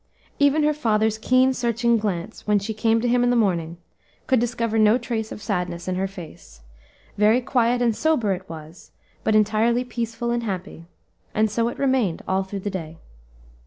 Even her father's keen, searching glance, when she came to him in the morning, could discover no trace of sadness in her face; very quiet and sober it was, but entirely peaceful and happy, and so it remained all through the day.